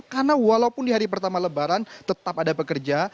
karena walaupun di hari pertama lebaran tetap ada pekerja